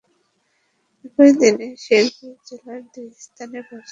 একই দিনে শেরপুর জেলার দুই স্থানে বজ্রপাতে দুই কৃষকের মৃত্যু হয়েছে।